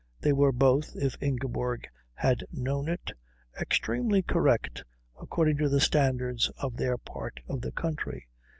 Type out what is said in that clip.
They were both, if Ingeborg had known it, extremely correct according to the standards of their part of the country.